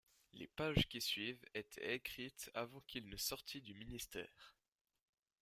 Les pages qui suivent étaient écrites avant qu'il ne sortît du ministère.